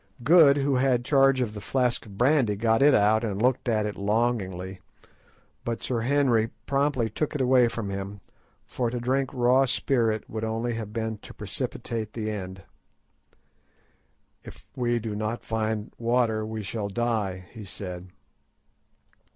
Good, who had charge of the flask of brandy, got it out and looked at it longingly; but Sir Henry promptly took it away from him, for to drink raw spirit would only have been to precipitate the end. "If we do not find water we shall die," he said.